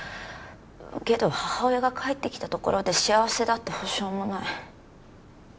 けど母親が帰ってきたところで幸せだって保証もない。